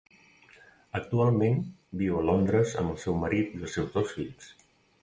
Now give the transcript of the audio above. Actualment, viu a Londres amb el seu marit i els seus dos fills.